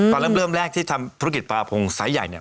ตอนเริ่มแรกที่ทำธุรกิจปลากระพงสายใหญ่